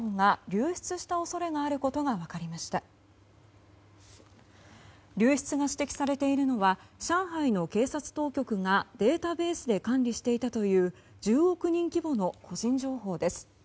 流出が指摘されているのは上海の警察当局がデータベースで管理していたという１０億人規模の個人情報です。